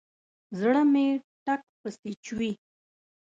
زړه مې ټک پسې چوي.